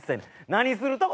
何するとこ？